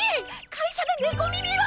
会社で猫耳は！